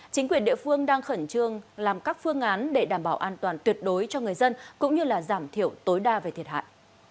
chính quyền địa phương đang khẩn trương làm các phương án để đảm bảo an toàn tuyệt đối cho người dân cũng như giảm thiểu tối đa về thiệt hại